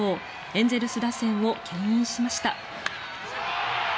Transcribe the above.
エンゼルス打線をけん引しました。